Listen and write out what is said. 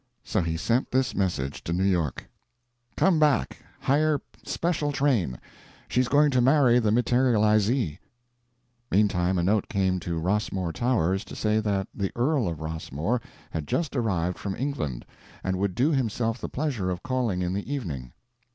So he sent this message to New York: "Come back. Hire special train. She's going to marry the materializee." Meantime a note came to Rossmore Towers to say that the Earl of Rossmore had just arrived from England, and would do himself the pleasure of calling in the evening.